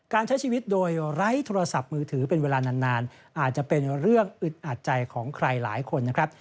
ใช้ชีวิตโดยไร้โทรศัพท์มือถือเป็นเวลานานอาจจะเป็นเรื่องอึดอัดใจของใครหลายคนนะครับ